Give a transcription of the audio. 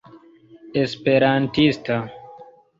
esperantista